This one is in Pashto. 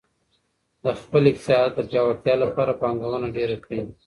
د خپل اقتصاد د پیاوړتیا لپاره پانګونه ډیره کړئ.